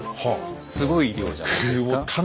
すごい量じゃないですか？